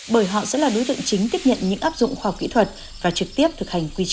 bởi họ sẽ là đối tượng chính tiếp nhận những áp dụng khoa học kỹ thuật và trực tiếp thực hành quy trình